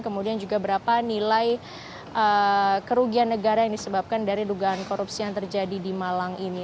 kemudian juga berapa nilai kerugian negara yang disebabkan dari dugaan korupsi yang terjadi di malang ini